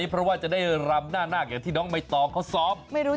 เพราะนาฬอยู่ไหนก็ไม่รู้